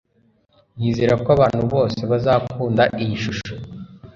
Nizera ko abantu bose bazakunda iyi shusho